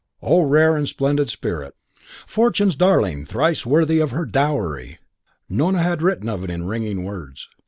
Oh, rare and splendid spirit! Fortune's darling thrice worthy of her dowry! Nona had written of it in ringing words.